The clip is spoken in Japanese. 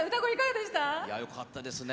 よかったですね。